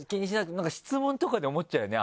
質問とかで思っちゃうよね